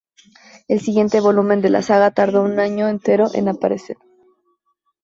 El siguiente volumen de la saga tardó un año entero en aparecer.